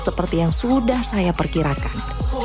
seperti yang sudah saya perkirakan